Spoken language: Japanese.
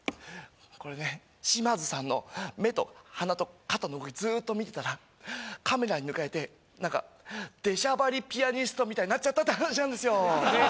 これね島津さんの目と鼻と肩の動きずーっと見てたらカメラに抜かれて何か出しゃばりピアニストみたいになっちゃったって話なんですよねえ